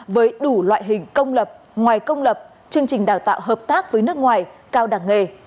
với đủ loại hình công lập ngoài công lập chương trình đào tạo hợp tác với nước ngoài cao đẳng nghề